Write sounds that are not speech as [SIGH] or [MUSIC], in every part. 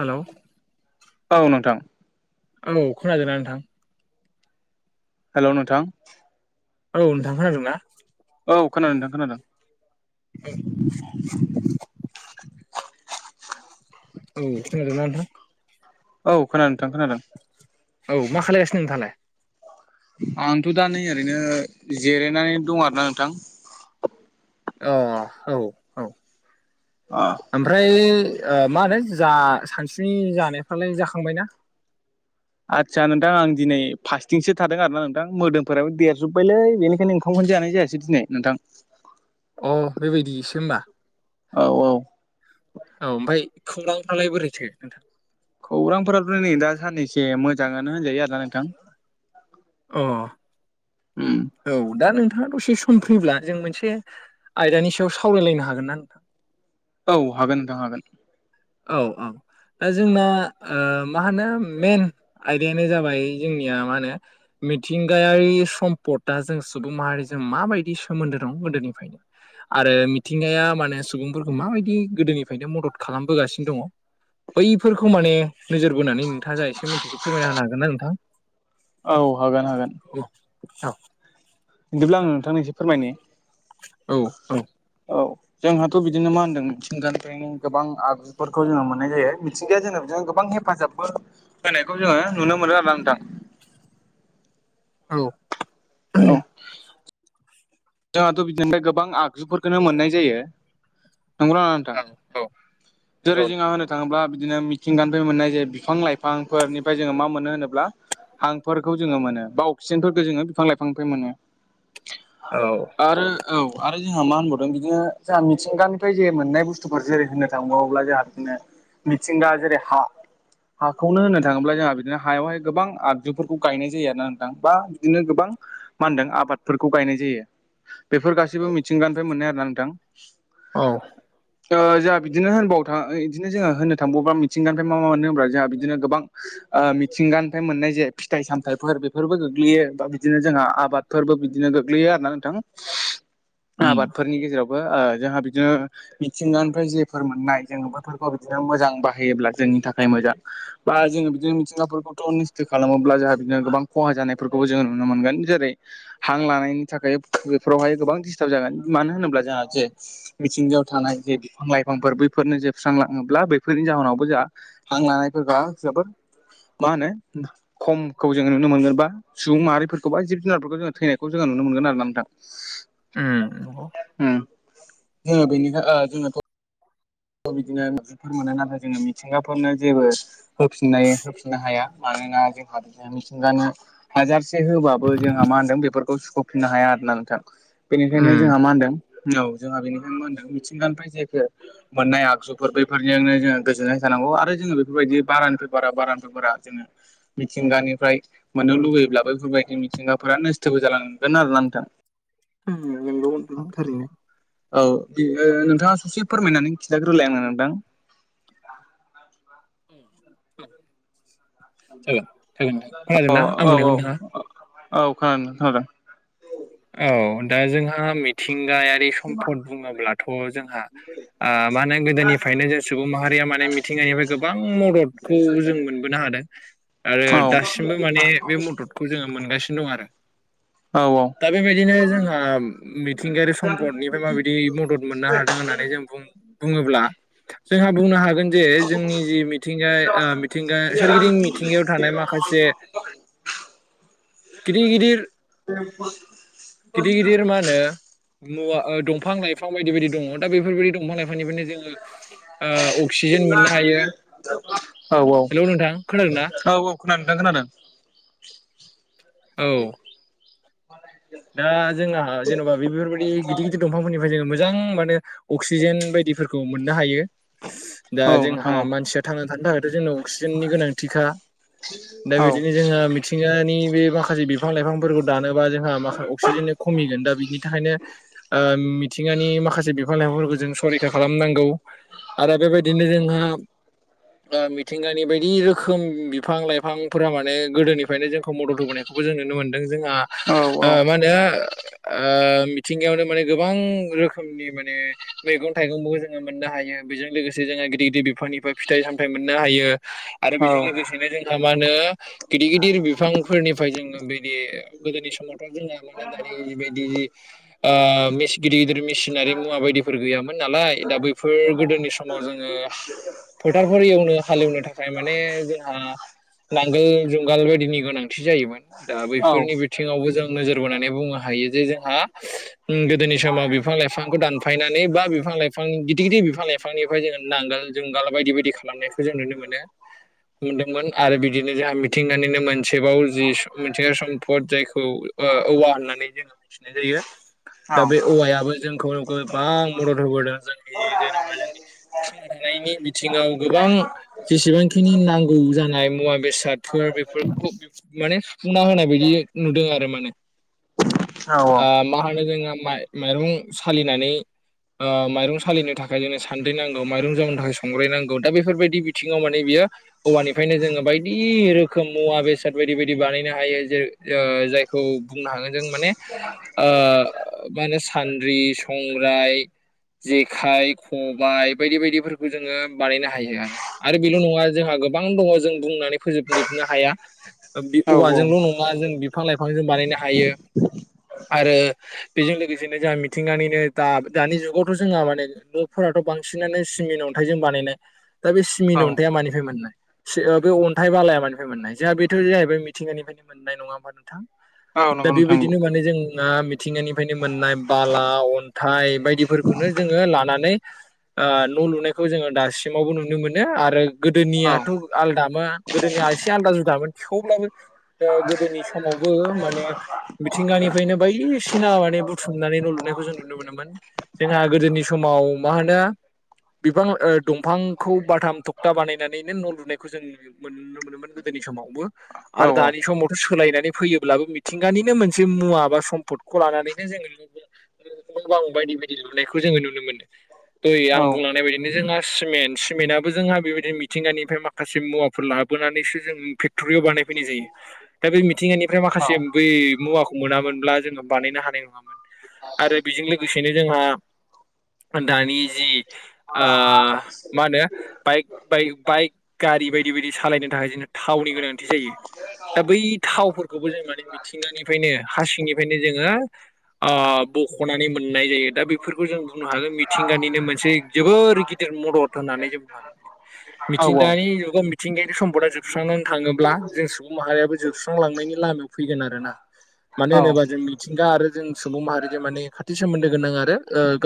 Hello औ नोंथां औ खोनादों ना नोंथां हेलौ नोंथां औ नोंथां खोनादों ना औ खोनादों नोंथां खोनादों [INAUDIBLE] औ नोंथां औ खोनादों नोंथां खोनादों औ मा खालायगासिनो नोंथाङालाय आंथ' दा नै ओरैनो जिरायनानै दं आरोना नोंथां अ औ औ अ ओमफ्राय ओ मा होनो जा सानसुनि जानायफ्रालाय जाखांबायना आदसा नोंथां आं दिनै फास्थिंसो थादों आरो ना नोंथां मोदोमफोराबो देरजोब्बायलै बेनिखायनो ओं खामखौनो जानाय जायासै दिनै नोंथां अ बेबायदिसो होमबा औ औ औ ओमफाय खौरांफ्रालाय बोरैथो नोंथां खौरांफोराथ' नै दा साननैसे मोजाङानो होनजायो आरोना नोंथां अ उम औ दा नोंथाङा दसे सम फ्रिब्ला जों मोनसे आयदानि सायाव सावरायलायनो हागोना नोंथां औ हागोन नोंथां हागोन औ औ दा जोंना ओ मा होनो मेन आयदायानो जाबाय जोंनिया मा होनो मिथिंगायारि सम्पदआ जों सुबुं माहारिजों माबायदि सोमोन्दो दं गोदोनिफ्रायनो आरो मिथिंगाया माने सुबुंफोरखौ माबायदि गोदोनिफ्रायनो मदद खालामबोगासिनो दङ' बैफोरखौ माने नोजोर बोनानै नोंथाङा जा एसे मिथिखो फोरमायना होनो हागोन ना नोंथां औ हागोन हागोन [UNINTELLIGIBLE] बिदिब्ला आं नोंथांनो एसे फोरमायनि औ औ औ जोंहाथ' बिदिनो मा होनदों मिथिंगानिफ्रायनो गोबां आगजुफोरखौ जोङो मोननाय जायो मिथिंगाया जोंनो गोबां हेफाजाब बो होनायखौ जोङो नुनो मोनो आरोना नोंथां [INAUDIBLE] औ औ जोंहाथ' बिदिनिफ्राय गोबां आगजुफोरखोनो मोननाय जायो नंगौना नङा थां हागोन जेरै ना जोंहा नोंथां होनो थाङोब्ला बिदिनो मिथिंगानिफाय मोननाय जायो बिफां लाइफांफोरनिफ्राय जोङो मा मोनो होनोब्ला हांफोरखौ जोङो मोनो बा अक्सिजेनफोरखौ जोङो बिफां लाइफांनिफ्राय मोनो औ आरो औ आरो जोंहा मा होनबावदों बिदिनो जोंहा मिथिंगानिफ्राय जे मोननाय बुस्थुफोर जेरै होननो थांबावोब्ला जोंहा बिदिनो मिथिंगा जेरै हा हाखौनो होननो थाङोब्ला जोंहा बिदिनो हायावहाय गोबां आगजुफोरखौ गायनाय जायो आरो ना नोंथां बा बिदिनो गोबां मा होनदों आबादफोरखौ गायनाय जायो बेफोर गासैबो मिथिंगानिफ्राय मोननाय आरोना नोंथां औ ओ जोहा बिदिनो होनबाव था ओ इदिनो जोङो होननो थांबाव मिथिंगानिफ्राय मा मा मानो होनब्ला जाहा बिदिनो गोबां आ मिथिंगानिफ्राय मोननाय जे फिथाइ सामथाइफोर बेफोरबो गोग्लैयो बा बिदिनो जाहा आबाद फोरबो बिदिनो गोग्लैयो आरो ना नोंथां उम आबादफोरनि गेजेरावबो ओ जोंहा बिदिनो मिथिंगानिफ्राय जेफोर मोननाय जोङो बोफोरखौ बिदिनो मोजां बाहायोब्ला जोंनि थाखाय मोजां बा जोङो बिदिनो मिथिंगाफोरखौथ' निस्थ' खालामोब्ला जोंहा बिदिनो गोबां खहा जानायफोरखौबो जोङो नुनो मोनगोन जेरै हां लानायनि थाखाय बेफोरावहाय गोबां दिसथाब जागोन मानो होनोब्ला जोंहा जे मिथिंगायाव थानाय जे बिफां लाइफांफोर बैफोरनो जोबस्रांलाङोब्ला बैफोरनि जाहोनावबो जों हां लानायफोरबा जोबोद मा होनो खमखौ जोङो नुनो मोनगोन बा सुबुं माहारिफोरखौ गोबां जिब जुनारफोरखौ जोङो थैनायखौ जोंङो नुनो मोनगोन आरो ना नोंथां उम नंगौ उम जोंङो बेनि थाखाय बिदिनो मोनो नाथाय जोंङो मिथिंगाफोरनो जेबो होफिननाय होफिननो हाया मानोना जोंहा बिदिनो मिथिंगानि हाजारसे होबाबो जोंहा मा होनदों बेफोरखौ सुख'फिननो हाया आरोना नोंथां बेनिखायनो उम जोंहा मा होनदों औ जोंहा बेनिखायनो मा होनदों मिथिंगानिफ्राय जेखौ मोननाय आगजुफोर बैफोरजोंनो जोङो गोजोननाय थानांगौ आरो जोङो बेफोरबायदि बारानि पेपारा बारानि पेपारा जोङो मिथिंगानिफ्राय मोननो लुुबैब्ला बेफोरबायदि मिथिंगाफोरा नोसथोबो जालांगोन आरोना नोंथां नंगौ नोंथां थारैनो औ बेयो नोंथाङा ससे फोरमायनानै खिथाग्रोलाय आंनो नोंथां [INAUDIBLE] खोनादों औ ना आं औ बुंनायखौ औ नोंथाङा औ खोनादों खोनादों औ दा जोंहा मिथिंगायारि सम्पद बुङोब्लाथ' जोंहा आ मानो गोदोनिफ्रायनो जों सुबुं माहारिया माने मिथिंगानिफ्राय गोबां मददखौ जों मोनबोनो हादों आरो खोनादों दासिमबो माने बे मददखौ जोङो मोनगासिनो दं आरो औ दा बेबायदिनो जोंहा मिथिंगायारि सम्पदनिफ्राय माबायदि मदद मोननो हादों होननानै जों बुोब्ला जोंहा बुंनो हागोन जे जोंनि जि मिथिंगा मिथिंगा सोरगिदिं मिथिंगायाव थानाय माखासे गिदिर गदिर बे [UNINTELLIGIBLE] गिदिर गिदिर मा होनो मुवा दंफां लाइफां बायदि बायदि दङ दा बेफोरबायदि दंफां लाइफां बिनिफ्रायनो जोङो अक्सिजेन ओ मोननो हायो औ हेलौ नोंथां खोनादों ना औ औ खोनादों नोंथां खोनादों औ दा जोंहा जेन'बा बेफोरबायदि गिदिर गिदिर दंफांफोरनिफ्राय जोङो मोजां माने अक्सिजेन बायदिफोरखौ मोननो हायो दा खोनादों औ नोंथां जोंहा मानसिया थांनानै थानो थाखायथ' जोंनाव अक्सिजेननि गोनांथिखा औ जोङो मिथिंगानि बे माखासे बिफां लाइफांफोरखौ दानोबा जोंहा माखासे अक्सिजेननि खमिगोन दा बिनि थाखायनो ओ मिथिंगानि माखासे बिफां लाइफांफोरखौ जों सरैखा खालामनांगौ आरो बेबायदिनो जोंहा मिथिंगानि बायदि रोखोम बिफां लाइफांफोरा माने गोदोनिफ्रायनो जोंखौ मदद होबोनाय खौबो जों नुनो मोनदों जोंहा औ ओ औ मा होनो मिथिंगायावनो माने गोबां रोखोमनि माने मैगं थाइगंबो जोङो मोननो हायो बेजों लोगोसे जोङो गिदिर गिदिर बिफांनिफ्राय फिथाइ सामथायाइ मोननो हायो आरो औ बेजों लोगोसेनो जोंहा मा होनो गिदिर गिदिर बिफांफोरनिफ्राय जोङो बेदि गोदोनि समाव जों दानिबायदि गिदिर गिदिर मेसिनारि मुवा बायदि गैयामोन मोन नालाय दा बैफोर गोदोनि समाव जोङो फोथारफोर एवनो हालेवनो थाखाय माने जोंहा नांगोल जुंगाल बेदिनि गोनां जायोमोन दा औ बैफोरनि बिथिङावबो जों नोजोर बोनानै बुंनो हायो जे जोंहा गोदोनि समाव बिफां लाइफांखौ दानफायनानै बा बिफां लाइफां गिदिर गिदिर बिफां लाइफां बिफांनिफ्राय जोङो नांगोल जुंगाल बायदि बायदि खालामनायखौ जों नुनो मोनो मोनदोंमोन आरो बिदिनो जोंहा मिथिंगानिनो मोनसेबाव जि मिथिंगा सम्फद जायखौ ओ औवा होननानै जोङो मिथिनाय जायो दा बे औवायाबो जोंखौ गोबां मदद होबोदों जोंनि जेनेबा जोंनि थांना थानायनि बिथिङाव गोबां जेसेबांखिनि नांगौ जानाय मुवा बेसाद फोर बेफोरखौ माने सुफुंना होनाय बायदि नुदों आरो माने आ मा होनो जोङो मा माइरं सालिनानै माइरं सालिनो थाखाय जोंनो सानद्रि नांगौ माइरं जावनो थाखाय संग्रायनांगौ दा बेफोरबायदि बिथिङाव माने बियो औवानिफ्रायनो जोङो बायदि रोखोम रोखोम मुवा बेसाद बायदि बायदि बानायनो हायो जेर जायखौ बुंनो हागोन जों माने ओ मा होनो सानद्रि संग्राय जेखाइ खबाय बायदि बायदिफोरखौ जोङो बानायनो हायो आरो आरो बेल' नङा जोंहा गोबां गोबां दङ जों बुंनानै फोजोबजोबनो हाया औ औवाजोंल' नङा जों बिफां लाइफां बिफांजों बानायनो हायो आरो बेजों लोगोसेनो जोंहा मिथिंगानिनो दा दानि जुगावथ' जोंहा माने न'फोराथ' बांसिनानो सिमिन अन्थाइजों बानायनाय दा बे औ सिमिन अन्थाइया मानिफ्राय मोननाय बे अनथाइ बालाया मानिफ्राय मोननाय जोंहा बेथ' जाहैबाय मिथिंगानिफ्रायनो मोननाय नङा होमबा नोंथां दा नंगौ नोंथां नंगौ बेबायदिनो माने जों ना मिथिंगानिफ्रायनो मोननाय बाला अनथाइ बायदिफोरखौनो जोङो लानानै आ न' लुनायखौ जोङो दासिमावबो नुनो मोनो आरो औ गोदोनियाथ' आलदामोन गोदोनिया एसे आलदा जुदामोन थेवब्लाबो ओ गोदोनि समाव बे माने मिथिंगानिफ्रायनो बायदिसिना माने बुथुमनानै न' लुनायखौ जों नुनो मोनोमोन जोंहा गोदोनि समाव मा होनो बिफां ओ दंफां खौ बाथाम थखथा बानायनानैनो न' लुनायखौ जों मोनो नुनो मोनोमोन गोदोनि समावबो आरो औ दानि समावथ' सोलायनानै फैयोब्लाबो मिथिंगानिनो मोनसे मुवा बा समपखौ लानानैनो जोङो नुयो गोबां बायदि बायदि लुनायखौ जोङो नुनो मोनदों दहाय आं बुंलांनाय बायदिनो जोंना सिमेन्ट सिमेन्टाबबो जोंहा बेबायदि मिथिंगानिफ्राय माखासे मुवाफोर लाबोनानैसो जों फेक्ट'रियाव बानाय फैनाय जायो दा बे मिथिंगानिफ्राय माखासे बै मुवा मोनामोनब्ला जोङो बानायनो हानाय नङामोन आरो बेजों लोगोसेनो जोंहा दानि जि ओ मा होनो बाइक बाइ बाइक गारि बायदि बायदि सालायनो थाखाय जोंहा थावनि गोनांथि जायो दा बै थावफोरखौबो जों माने मिथिंगानिफ्रायनो हारसिंनिफ्रायनो जोङो ओ बख'नानै मोननाय जायो दा बेफोरखौ जों बुंनो हागोन मिथिंगानिनो मोनसे जोबोर गि दिर मदद होननानै जों बुंनो हागोन मिथिंगानि दानि जुगाव मिथिंगायारि समपदा जोबस्रांनानै थाङोब्ला जों सुबुं माहारियाबो जोबस्रांलांनायनि लामायाव फैगोन आरोना मानो होनोबा जों मिथिंगा आरो जों सुबुं माहारिजों माने खाथि सोमोनदो गोनां आरो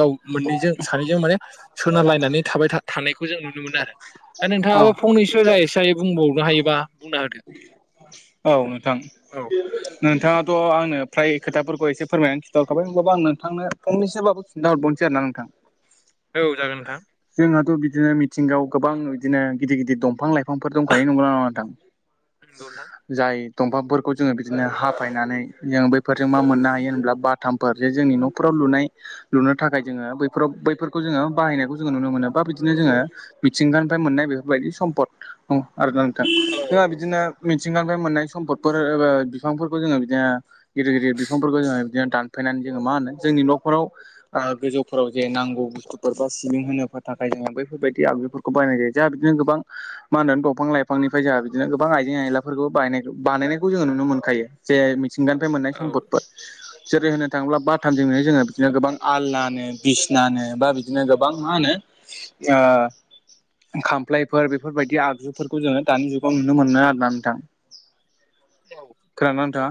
गाव मोननैजों सानैजों माने सोनारलायनानै थाबाय थानायखौ जों नुनो मोनो आरो दा नोंथाङाबो फंनैसो जा एसे हायो बुंबावनो हायोबा बुंना होदो औ नोंथां औ नोंथाङा थ' आंनो फ्राय खोथाफोरखौ एसे फोरमायनानै खिनथाहरखाबाय होनबाबो आं नोंथां फंनैसाबाबो खिथा हरबावसै आरोना नोंथां औ जागोन नोंथां जोंहाथ' बिदिनो मिथिंगायाव गोबां इदिनो गिदिर गिदिर दंफां लाइफांफोर दंखायो नंगौना नङा नोंथां नंगौ नोंथां जाय दंफांफोरखौ जोङो बिदिनो हाफायनानै जों बैफोरजों मा मोननो हायो होनब्ला बा थामफोर जे जोंनि न'फोराव लुनाय लुनो थाखाय जोङो बैफोराव बैफोरखौ जोङो बाहायनायखौ जोङो नुनो मोनो बा बिदिनो जोङो मिथिंगानिफ्राय मोननाय बेफोरबायदि समपद औ आरोना नोंथां जोंहा बिदिनो मिथिंगानिफ्राय मोननाय सम्फदफोर एबा बिफांफोरखौ जोङो बिदिनो गिदिर गिदिर बिफांफोरखौ जोङो बिदिनो दानफायनानै जोङो मा होनो जोंनि नखराव ओ गोजौफोराव जे नांगौ बुस्थुफोर बा [UNINTELLIGIBLE] सिबिं होनो थाखाय जोङो बैफोरबायदि आगजुफोरखौ बायनाय जायो जोंहा बिदिनो गोबां मा होनो दंफां लाइफांनिफ्राय जोंहा बिदिनो गोबां आइजें आइलाफोरखौ बाय बानायनायखौ जोङो नुनो मोनखायो जे थिंगानिफ्राय मोननाय औ सम्पदफोर जेरै होनो थाङोब्ला बाथामजों जोङो बिदिनो गोबां आलनानो बिसनानो बा बिदिनो गो गोबां मा होनो ओ खामफ्लायफोर बेफोरबायदि आगजुफोरखौ जोङो दानि जुगाव नुनो मोनो आरोना नोंथां। औ खोनादोंना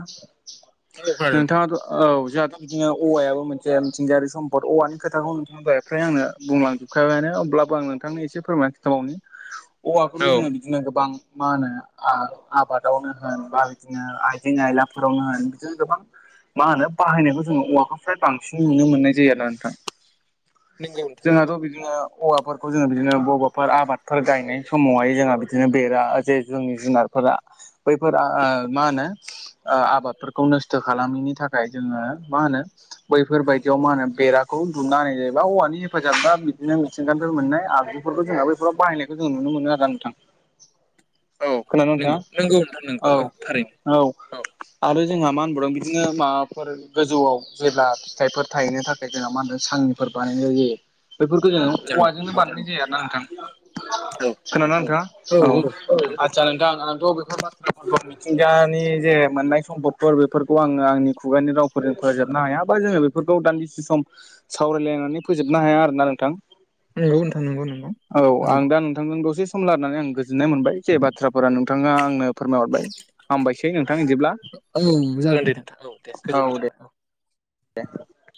औ नोंथाङा खोनादों नोंथां नोंथाङाथ' औ जोंहाथ' बिदिनो औवायाबो मोनसे मिथिंगायारि सम्पद औवानि खोथाखौ नोंथाङा होनबाय [UNINTELLIGIBLE] ओफ्राय आंनो बुंलांजोबखाबायानो अब्लाबो आं नोंथांनि एसे फोरमायनानै खिन्थाबावनि औवाखौथ' औ जोङो बिदिनो गोबां मा होनो आर [UNINTELLIGIBLE] आबादावनो होन बा बिदिनो आइजें आयलाफोरावनो होन बिदिनो गोबां मा होनो बाहायनायखौ जोङो औवानिफ्राय बांसिन नुनो मोननाय जायो ना नोंथां नंगौ नोंथां नंगौ जोंहाथ' बिदिनो औवाफोरखौ जोङो बिदिनो बबाफोर आबादफोर गायनाय समावहाय जोंहाय बि बिदिनो बेरा जे जोंनि जुनारफोरा बैफोरा मा होनो? ओ आबादफोरखौ नस्थ' खालामैनि थाखाय जोङो मा होनो बैफोरबायदियाव मा होनो बेराखौ उन्दुमना होननाय जायो बा औवानि हेफाजाब बा बिदिनो मिथिंगानिफ्राय मोननाय आगजुफोरखौ जोंहाबो बेफोराव बाहायनायखौ जों नुनो मोनो आरो नोंथां। औ खोनादों नोंथाङा नंगौ नंगौ नोंथां नंगौ औ थारैनो औ आरो जोंहा मा होनबोदों बिदिनो माबाफोर गोजौआव जेब्ला फिथाइफोर थाहैनो थाखाय जोंहा मा होनदों सांनि फोर बानायनाय जायो। बैफोरखौ जोङो औ औवाजोंनो बानायनाय जायो आरो ना नोंथां खोनादोंना नोंथाङा औ आदसा नोंथां आंथ' बेफोर बाथ्रा ब [UNINTELLIGIBLE] मिथिंगानि जे मोननाय सम्फद बेफोरखौ आङो आंनि खुगानि रावफोरजों फोजोबनो हाया बा जोङो बेफोरखौ दान्दिसे सम सावरायलायनानै फोजोबनो हाया आरोना नोंथां। नंगौ औ आं दा नोंथांजों दसे सम लानानै आं गोजोननाय मोनबाय जे बाथ्राफोरा नोंथाङा आंनो फोरमाय हरबाय हामबायसै नोंथां बिदिब्ला औ जागोन दे नोंथां औ दे गोजोननाय थाबाय औ। दे